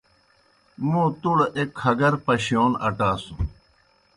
موں تُوْڑ ایْک کھگَر پشِیون اٹاسُن۔